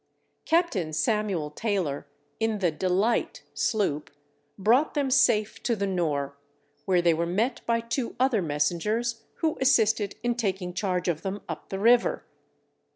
Captain Samuel Taylor, in the Delight sloop, brought them safe to the Nore, where they were met by two other messengers, who assisted in taking charge of them up the river.